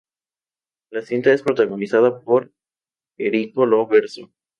La cinta es protagonizada por Enrico Lo Verso.